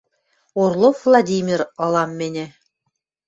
«Орлов Владимир ылам мӹньӹ